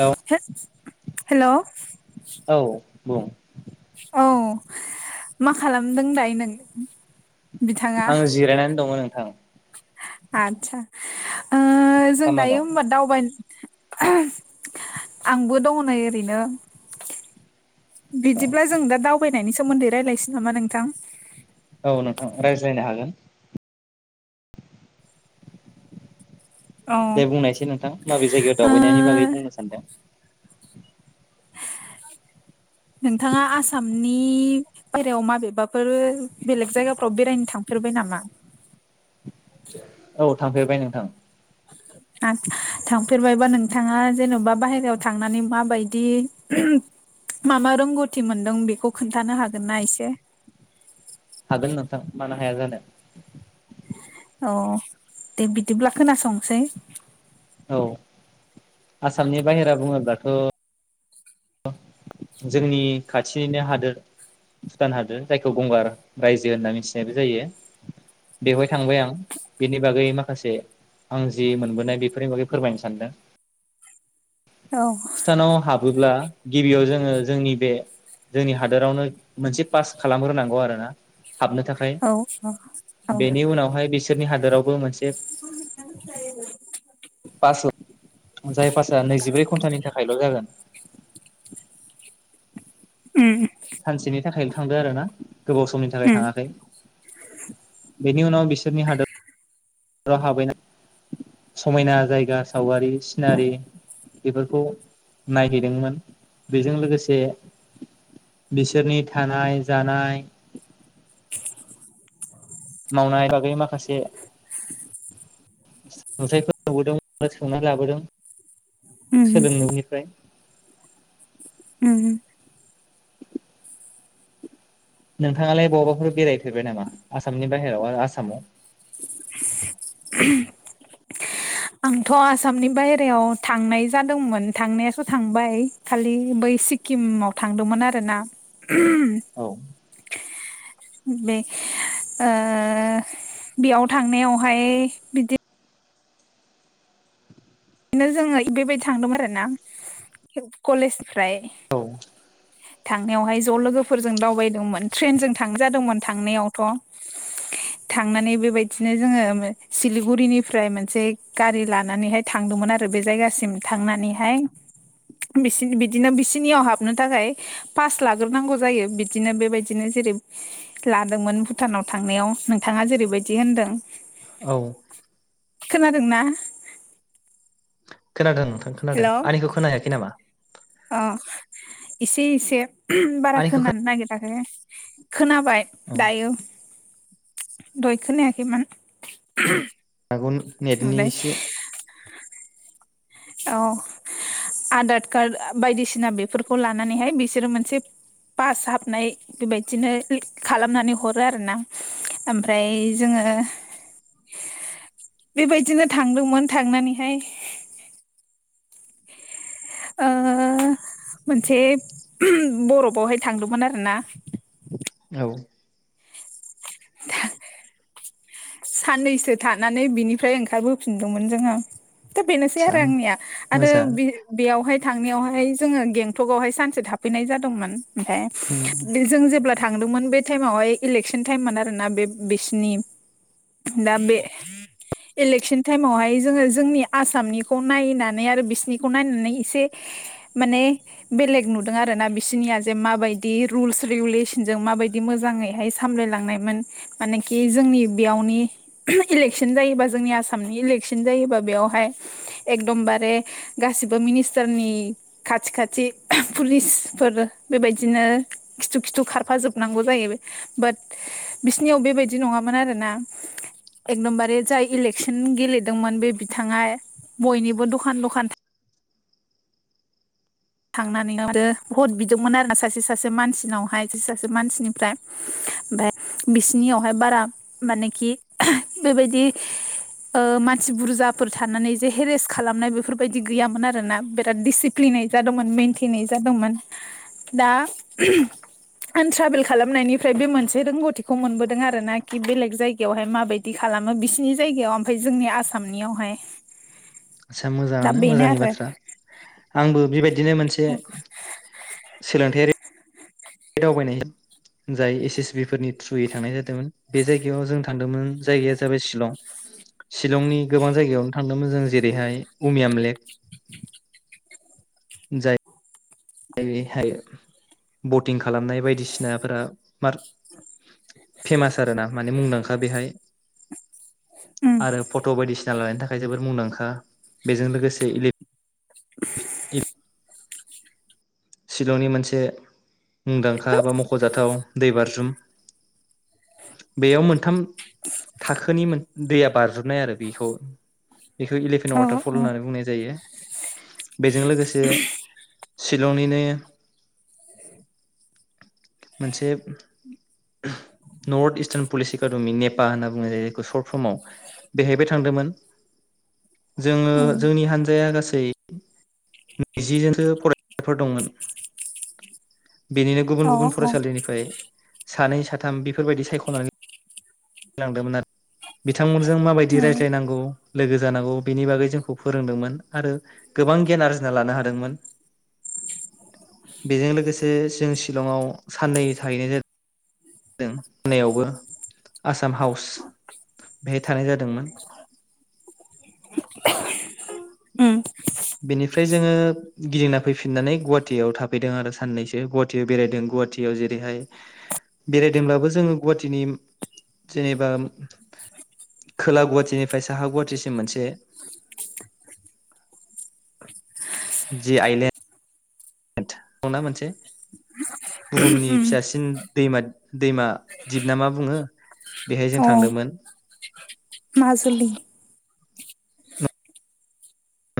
Hello hello. औ बुं औ मा खालामदों दायो नों? आं जिरायनानै दङ नोंथां। आतसा ओ जों खामना दायो दं होमबा दावबाय आंबो दङ नै ओरैनो बिदिब्ला जों दा दावबायनायनि सो सोमोनदै रायलायनोसै नामा नोंथां? औ नोंथां रायज्लायनो हागोन। औ दे बुंनायसै नोंथां माबे जायगायाव ओ दावबायनायनि बागै बुंनो सानदों नोंथाङा आसामनि बायहेरायाव माबेबाफोर बेलेग जायगाफोराव बेरायनो थांफेरबाय नामा? औ थांफेरबाय नोंथां। आ थांफेरबायबा नोंथाङा जेन'बा बाहेरायाव थांनानै माबायदि मा मा रोंगौथि मोनदों बेखौ खोनथानो हागोनना एसे हागोन नोंथां मानो हाया जानो। अ दे बिदिब्ला खोनासंसै औ आसामनि बाहेरा बुङोब्लाथ' जोंनि खाथिनिनो हादोर भुटान हादोर जायखौ गंगार रायजो होनना मिथिनायबो जायो बेवहाय थांबाय आं बेनि बागै माखासे आं जि मोनबोनाय बेफोरनि बागै फोरमायनो सानदों। औ भुथानाव हाबोब्ला गिबियाव जोङो जोंनि बे जोंनि हादोरावनो मोनसे पास खालामग्रोनांगौ आरोना हाबनो थाखाय औ औ औ बेनि उनावहाय बिस बिसोरनि हादरावबो मोनसे [unintelligible] पास जाय पासआ नैजिब्रै घन्टानि थाखायल' जागोन। उम सानसेनि थाखायल' थांदो आरो ना। गोबाव समनि थाखाय उम थाङाखै बेनि उनाव बिसोरनि हादोर व हाबैनाय समायना जायगा सावगारि सिनारि बेफोरखौ नायहैदोंमोन बेजों लोगोसे बिसोरनि थानाय जानाय। मावनाय बागै माखासे नुथायफोर नुबोदों बा सोंनानै लाबोदों। उम सोलोंनायनिफ्राय उम [inaudible] नोंथाङालाय बहावबाफोर बेरायफेरबाय नामा आसामनि बाहेरायाव आसामाव? [unintelligible] आंथ' आसामनि बायेरायाव थांनाय जादोंमोन थांनायासो थांबाय खालि बै सिक्किमाव थांदोंमोन आरोना। औ बे ओ बेयाव थांनायावहाय बिदि बिदिनो जोङो बेबायदि थांदों आरो ना कलेज फ्राय औ थांनायावहाय ज' लोगोफोरजों दावबायदोंमोन ट्रेनजों थांजादोंमोन थांनायावथ' थांनानै बेबायदिनो जोङो सिलिगुरिनिफ्राय मोनसे गारि लानानैहाय थांदोंमोन आरो बे जायगासिम थांनानैहाय बिसि बिदिनो बिसिनियाव हाबनो थाखाय पास लाग्रोनांगौ जायो बिदिनो बेबायदिनो जेरै लादोंमोन भुटानाव थांनायाव नोंथाङा जेरैबायदि होनदों। औ खोनादोंना? खोनादों। आं खोनादों हेलौ आंनिखौ खोनाय हायाखै नामा? अ इसे एसे बारा आंनिखौ खोनानो खोना नागिराखै। [inaudible] खोनाबाय औ दायो। दहाय खोनायखै मोन। आगुन नेटनि इसे औ आधाद कार्ड बायदिसिना बेफोरखौ लानानैहाय बिसोरो मोनसे पास हाबनाय बेबायदिनो खालामनानै हरो आरो ना ओमफ्राय जोङो बेबायदिनो थांदोंमोन थांनानैहाय ओ मोनसे बरफावहाय थांदोंमोन आरोना। औ [inaudible] साननैसो थानानै बिनिफ्राय ओंखारबोफिनदोंमोन जोङो। दा बेनोसै आदसा आरो आंनिया आरो मोजां बे बेयावहाय थांनायावहाय जोङो गेंटकआवहाय सानसे थाफैनाय जादोंमोन। ओमफाय उम बे जों जेब्ला थांदोंमोन बे टाइमावहाय इलेकसन टाइममोन आरोना बे बिसिनि। दा बे इलशन टाइमावहाय जोङो जोंनि आसामनि ख' नायनानै आरो बिसिनिखौ नायनानै इसे माने बेलेग नुदों आरोना बिसिनिया जे माबादि रुलस रेगुलेसन माबादि मोजाङै सामलाय लांनाय मोनेखि जोंनि बेयाव नि इलेकसन जायोबा जोंनि आसामनि इलेकसन जायोबा बेयावहाय एकदमबारे गासिबो मिनिस्टारनि खाथि खाथि पुलिसफोर बेबायदिनो खिथु खिथु खारफाजोबनांगौ जायो। बाट बिसिनियाव बेबायदि नङामोन आरोना। एकदमबारे जाय इलेकसन गेलेदोंमोन बे बिथाङा बयनिबो दखान दखान थांनानै [unintelligible] भट बिदोंमोन आरोना सासे सासे मानसिनावहाय सासे सासे मानसिनिफ्राय ओमाय बिसिनियावहाय बारा मानेखि बेबायदि ओ मानसि बुरजाफोर थानानै जे हेरेस खालामनाय बेफोरबायदि गैयामोन आरोना बिराद डिसिप्लिनै जादोंमोन मेनथेनै जादोंमोन दा आं ट्रभेल खालामनायनिफ्राय बे मोनसे रोंगथिखौ मोनबोदों आरो ना कि बेलेग जायगायावहाय माबायदि खालामो बिसिनि जायगायाव ओमफ्राय जोंनि आसामनि यावहाय। आस्सा मोजाङानो मोजांनि बाथ्रा। आंबो बेबायदिनो मोनसे सोलोंथायारि बे दावबाय जाय एस एस बि फोरनि थ्रुयै थांनाय जादोंमोन बे जायगायाव जों थांदोंमोन जायगाया जाबाय शिलं। शिलंनि गोबां जायगायावनो थांदोंमोन जों जेरैहाय उमियाम लेक [inaudible] जाय जेरैहाय बटिं खालामनाय बायदिसिनाफोरा मार फेमास आरो ना माने मुंदांखा बेहाय उम आरो फट' बायदिसिना लानायनि था खाय जोबोर मुंदांखा बेजों लोगोसे इलिफ [inaudible] इ शिलंनि मोनसे मुंदांखा बा मख'जाथाव दै बारज्रुम बेयाव मोनथाम थाखोनि मोन दैया बारज्रुमनाय आरो बेखौ बेखौ अ इलिभेन वाटारफल होननानै बुंनाय जायो बेजों लोगोसे सिट [unintelligible] मोनसे नर्थ इस्टार्न पुलिस एकाडेमि नेपा होनना बुङो जायो जायखौ सर्ट र्पमयाव बेहायबो थांदोंमोन जोङो उम जोंनि हानजाया गासै दै नैजिजोनसो फरायसाफोर दंमोन बेनिनो अ गुबुन गुबुन फरायसालिनिफ्राय सानै साथाम बेफोरबायदि सायख'नानै लांदोंमोन आरो बिथांमोनजों माबायदि उम रायज्लायनांगौ लोगो जानांगौ बिनि बागै जोंखौ फोरोंदोंमोन आरो गोबां गियान आरजिना लानो हादोंमोन बेजों लोगोसे जों शि शिलंआव साननै थाहैनाय जादों जादों [unintelligible] नायावबो आसाम हाउस बेहाय थानाय जादोंमोन [inaudible] ओम बेनिफ्राय जोङो गिदिंना फैफिननानै गुवाहाटियाव थाफैदों आरो साननैसो गुवाहाटियाव बेरायदों गुवाहाटियाव जेरैहाय बेरायदोंब्लाबो जोङो गुवाहाटीनि जेनेबा खोला गुवाहाटीनिफ्राय साहा गुवाहाटीसिम मोनसे जे आइलेन्ड दंना मोनसे बुहुमनि उम फिसासिन दैमा दैमा दिप ना मा बुङो बेहाय जों अ थांदोंमोन माजुलि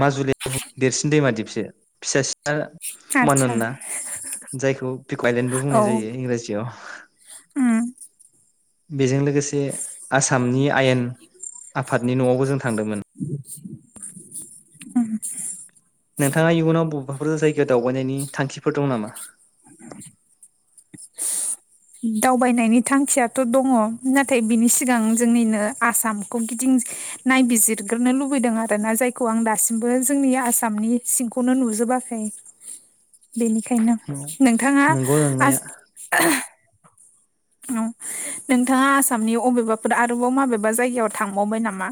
माजुलिया देरसिन दैमा दिपसो फिसा सिना आतसा मानान्ना [unintelligible] जायखौ बिकइलेण्डबो [unintelligible] औ बुंनाय जायो इंराजियाव उम बेजों लोगोसे आसामनि आयेन आफादनि न'आवबो जों थांदोंमोन [unintelligible] ओम नोंथाङा इयुनाव ब'बाफोर जायगायाव दावबायनायनि थांखिफोर दं नामा? दावबायनायनि थांखियाथ' दङ नाथाय बिनि सिगां जोंनिनो आसामखौ गिदिं नायबिजिरग्रोनो लुबैदों आरोना जायखौ आं दासिमबो जोंनि आसामनि सिंखौनो नुजोबाखै बेनिखायनो नोंथाङा नंगौ नंनाया आज औ नोंथाङा आस सामनि अबेबाफोर आरोबाव माबेबा जायगायाव थांबावबाय नामा?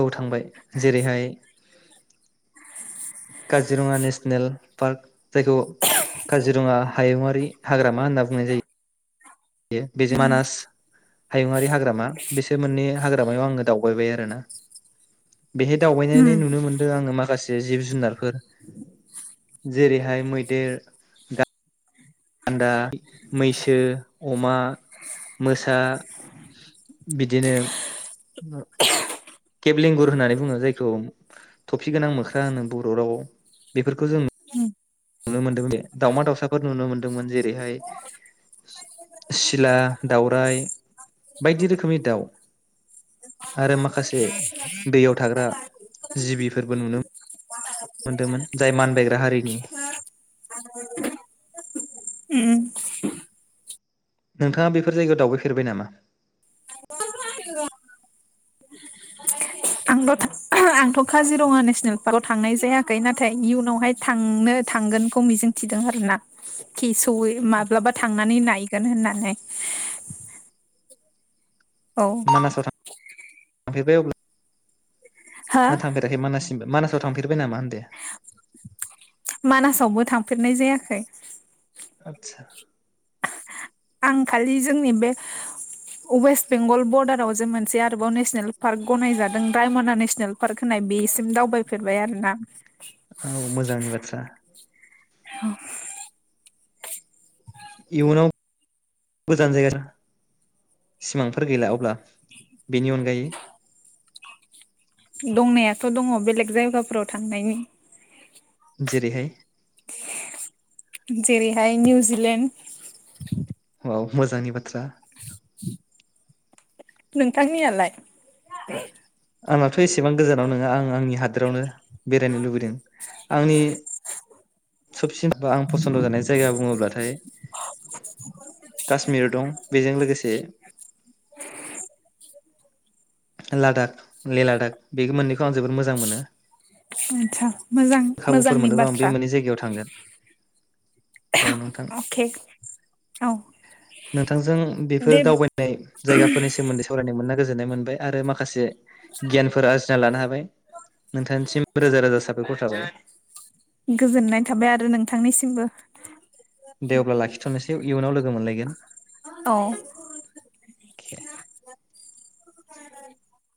औ थांबाय जेरैहाय काजिरङा नेसनेल पार्क जायखौ काजिरङा हायुङारि हाग्रामा होनना बुंनाय जायो। बेजों उम मानास हायुङारि हाग्रामा बिसोर मोननै हाग्रामायाव आङो दावबायबाय आरोना बेहाय उम दावबायनानै नुनो मोनदों आङो माखासे जिब जुनारफोर जेरैहाय मैदेर गा गान्दा मैसो अमा मोसा बिदिनो केेब लेंगुर होननानै बुङो जायखौ थफि गोनां मोख्रा होनो बर' राव बेफोरखौ जों उम नुनो मोनदों दे दावमा दावसाफोर नुनो मोनदोंमोन जेरैहाय सिला दाउराइ बायदि रोखोमनि दाउ आरो माखासे दैयाव थाग्रा जिबिफोरबो नुनो मोनदोंमोन जाय मानबायग्रा हारिनि उम नोंथाङा बेफोर जायगायाव दावबायफेरबाय नामा? आंथ' थां आंथ' काजिरङा नेसनेल पार्कआव थांनाय जायाखै नाथाय इयुनावहाय थांनो थांगोनखौ मिजिंथिदों आरो ना खि सौयै माब्लाबा थांनानै नायगोन होननानै। औ फेरबाय अब्ला हो ना थांफेराखै मानास मानासाव थांफेरबाय नामा होनदो मानासावबो थांफेरनाय जाया खै आदसा आं खालि जोंनि बे अवेस्ट बेंगल बरडाराव जे मोनसे आरोबाव नेसनेल पार्क गनायजादों रायमना नेसनेल पार्क होननाय बेसिम दावबायफेरबाय आरोना। [inaudible] औ मोजांनि बाथ्रा औ इयुनाव गोजान जायगा [inaudible] सिमांफोर गैला अब्ला बेनि अनगायै? दंनायाथ' दङ बेलेग जायगाफोराव थांनायनि जेरैहाय जेरैहाय निउजिलेणड औ मोजांनि बाथ्रा नोंथांनियालाय? आंनाथ' एसेबां गोजानाव नङा आं आंनि हादोरावनो बेरायनो लुबैदों आंनि सबसिन बा आं फसन्द जानाय जायगा बुङोब्लाथाय काश्मीर दं बेजों लोगोसे लादाख ले लादाख बे मोननैखौ आं जोबोद मोजां मोनो। आदसा मोजां खाबुफोर मोजांनि मोनोबा आं बे बाथ्रा मोननै जायगायाव थांगोन औ नोंथां अके औ नोंथांजों बेफोर दे दावबायनाय जायगाफोरनि सोमोन्दै सावरायनो मोनना गोजोननाय मोनबाय। आरो माखासे गियानफोर आरजिना लानो हाबाय नोंथांसिम रोजा रोजा साबायखर औ गोजोननाय थाबाय आरो नोंथांनिसिमबो दे अब्ला लाखिथ'नोसै इयुनाव लोगो मोनलायगोन। औ [unintelligible]